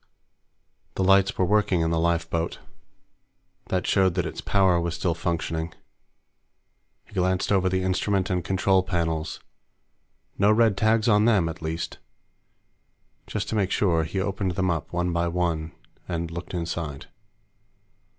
The lights were working in the lifeboat. That showed that its power was still functioning. He glanced over the instrument and control panels. No red tags on them, at least. Just to make sure, he opened them up, one by one, and looked inside.